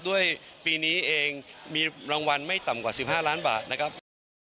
ด้วยปีนี้เองมีรางวัลไม่ต่ำกว่า๑๕ล้านบาทนะครับ